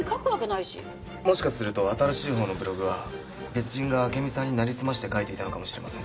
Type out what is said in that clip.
もしかすると新しいほうのブログは別人が暁美さんになりすまして書いていたのかもしれません。